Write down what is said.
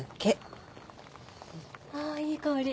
ああいい香り。